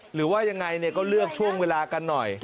หรือว่ายังไงก็เลือกช่วงเวลากันหน่อย